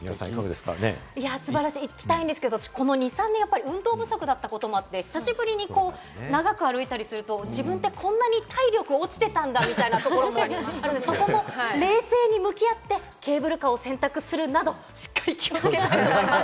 行きたいんですけれども、この２３年、運動不足だったこともあって、久しぶりに長く歩いたりすると、自分でこんなに体力落ちてたんだみたいなところもあるので、そこも冷静に向き合ってケーブルカーを選択するなど、しっかり気をつけたいと思います。